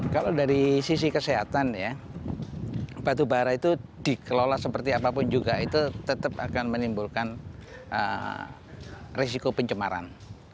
kalau dari sisi kesehatan ya batu bara itu dikelola seperti apapun juga itu tetap akan menimbulkan risiko pencemaran